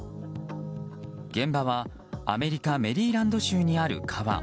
現場はアメリカメリーランド州にある川。